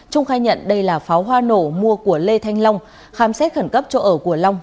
trung khai nhận đây là pháo hoa nổ mua của lê thanh long khám xét khẩn cấp chỗ ở của long